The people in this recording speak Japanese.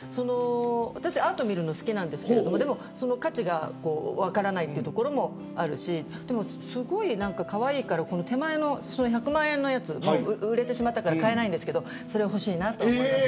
私、アートを見るの好きなんですが価値が分からないところもあるしでも、すごいかわいいから手前の１００万円のやつ売れてしまったから買えませんがそれが欲しいなと。